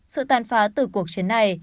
sự tàn phá từ cuộc chiến này